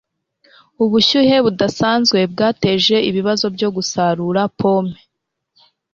ubushyuhe budasanzwe bwateje ibibazo byo gusarura pome